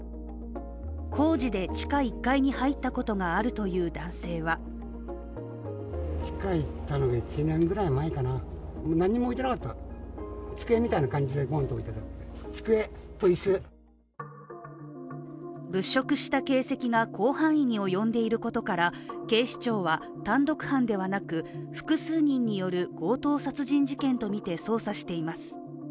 工事で地下１階に入ったことがあるという男性は物色した形跡が広範囲に及んでいることから警視庁は単独犯ではなく複数人による強盗殺人事件とみて捜査しています。